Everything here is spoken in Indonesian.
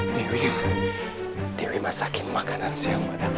dewi dewi masakin makanan siang padaku